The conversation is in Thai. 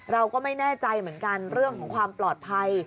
เราก็ไม่แน่ใจเหมือนกันเรื่องของความปลอดภัย